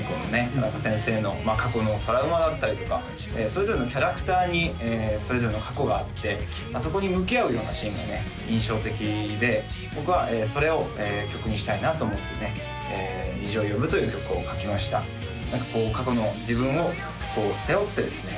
田中先生の過去のトラウマだったりとかそれぞれのキャラクターにそれぞれの過去があってそこに向き合うようなシーンがね印象的で僕はそれを曲にしたいなと思ってね「虹を呼ぶ」という曲を書きました何かこう過去の自分を背負ってですね